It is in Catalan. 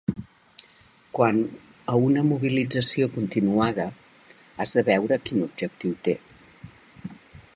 Quant a una mobilització continuada, has de veure quin objectiu té.